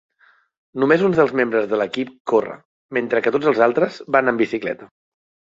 Només un dels membres de l'equip corre, mentre que tots els altres van en bicicleta.